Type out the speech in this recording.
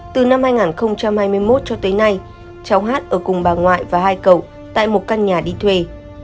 từ năm hai nghìn hai mươi một cho tới nay cháu hát ở cùng bà ngoại và hai cậu tại một căn nhà đi thuê